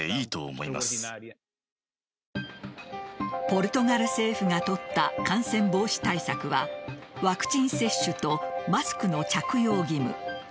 ポルトガル政府が取った感染防止対策はワクチン接種とマスクの着用義務。